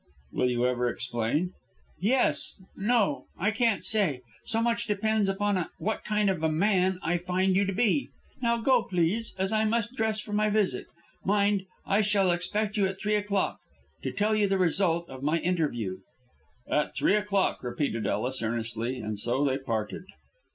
"Will you ever explain?" "Yes! No! I can't say. So much depends upon what kind of a man I find you to be. Now, go, please, as I must dress for my visit. Mind, I shall expect you at three o'clock, to tell you the result of my interview." "At three o'clock," repeated Ellis, earnestly, and so they parted.